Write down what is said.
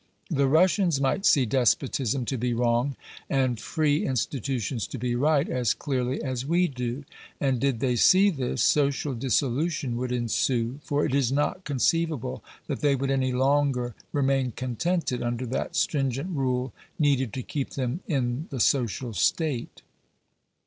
The Russians might see despotism to be wrong, and free insti tutions to be right, as clearly as we do. And did they see this, social dissolution would ensue ; for it is not conceivable that they would any longer remain contented under that stringent rule needed to keep them in the social state.